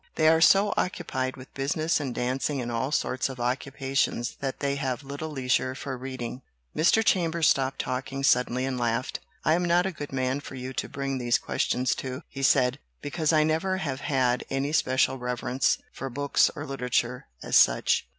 They are so occupied with business and dancing and all sorts of occupations that they have little leisure for reading." Mr. Chambers stopped talking suddenly and laughed. "I'm not a good man for you to bring these questions to," he said, "because I never have had any special reverence for books or litera ture as such.